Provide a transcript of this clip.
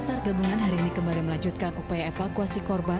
sar gabungan hari ini kembali melanjutkan upaya evakuasi korban